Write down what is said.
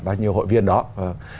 và chúng tôi cũng có một số lượng